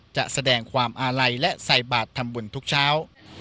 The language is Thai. แสดงความอาลัยและใส่บาททำบุญทุกเช้า